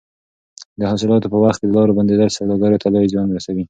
د حاصلاتو په وخت کې د لارو بندېدل سوداګرو ته لوی زیان رسوي.